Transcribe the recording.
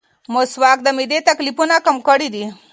مسواک د معدې تکلیفونه کم کړي دي.